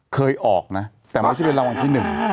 เคยออกนะแต่ไม่ใช่เป็นรางวัลที่หนึ่ง